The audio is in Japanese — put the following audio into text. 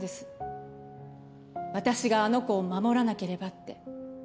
私があの子を守らなければって。